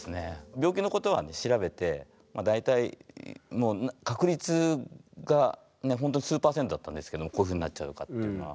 病気のことは調べて大体もう確率がほんとに数％だったんですけどこういうふうになっちゃうかというのは。